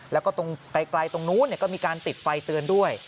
แล้วก็ตรงไกลตรงนู้นก็มีการติดไฟเตือนด้วย